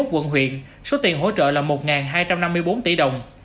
hai mươi một quận huyện số tiền hỗ trợ là một hai trăm năm mươi bốn tỷ đồng